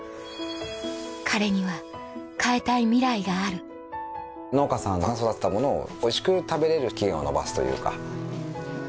彼には変えたいミライがある農家さんが育てたものをおいしく食べれる期限を延ばすというか。